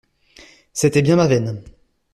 C’était bien ma veine!